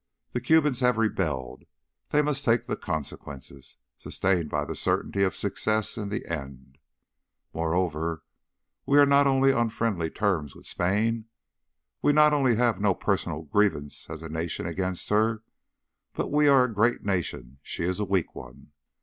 The Cubans have rebelled. They must take the consequences, sustained by the certainty of success in the end. Moreover, we not only are on friendly terms with Spain, we not only have no personal grievance as a nation against her, but we are a great nation, she is a weak one.